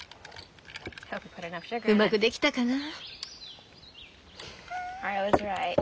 うまくできたかな？